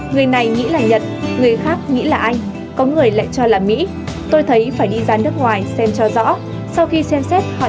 người này nghĩ là nhật người khác nghĩ là pháp